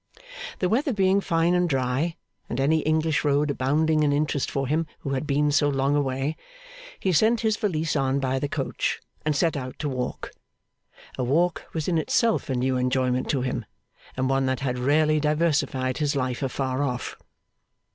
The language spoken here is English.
The weather being fine and dry, and any English road abounding in interest for him who had been so long away, he sent his valise on by the coach, and set out to walk. A walk was in itself a new enjoyment to him, and one that had rarely diversified his life afar off.